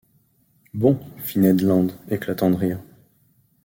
Bon ! fit Ned Land, éclatant de rire.